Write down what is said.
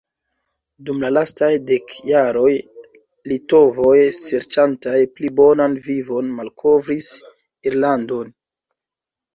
Dum la lastaj dek jaroj litovoj serĉantaj pli bonan vivon malkovris Irlandon.